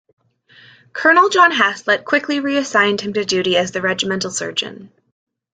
Colonel John Haslet quickly reassigned him to duty as the regimental surgeon.